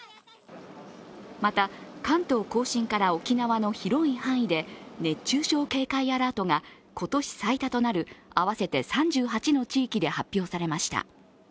また、関東甲信から沖縄の広い範囲で熱中症警戒アラートが今年最多となる合わせて３８の地域で発表されました。